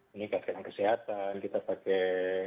meningkatkan kesehatan kita pakai